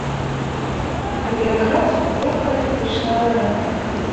Гэта якраз лёгкаатлетычная арэна.